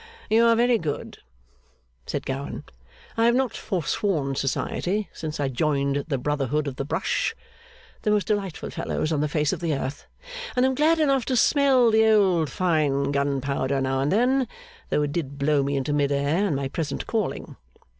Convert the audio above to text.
'You are very good,' said Gowan. 'I have not forsworn society since I joined the brotherhood of the brush (the most delightful fellows on the face of the earth), and am glad enough to smell the old fine gunpowder now and then, though it did blow me into mid air and my present calling.